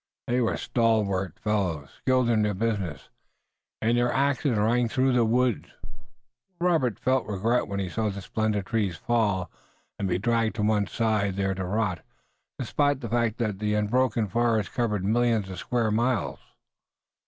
They were stalwart fellows, skilled in their business, and their axes rang through the woods. Robert felt regret when he saw the splendid trees fall and be dragged to one side, there to rot, despite the fact that the unbroken forest covered millions of square miles.